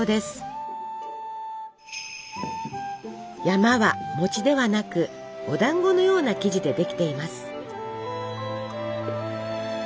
「山」は餅ではなくお団子のような生地でできています。